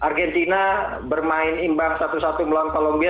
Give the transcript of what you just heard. argentina bermain imbang satu satu melawan kolombia